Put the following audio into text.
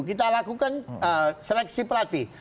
kita lakukan seleksi pelatih